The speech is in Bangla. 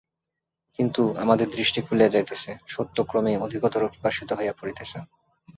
কিন্তু আমাদের দৃষ্টি খুলিয়া যাইতেছে, সত্য ক্রমেই অধিকতর প্রকাশিত হইয়া পড়িতেছে।